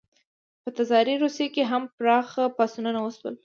په تزاري روسیه کې هم پراخ پاڅونونه وشول.